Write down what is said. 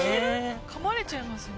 かまれちゃいますよね。